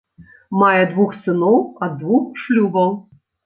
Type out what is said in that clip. Мае двух сыноў ад двух шлюбаў.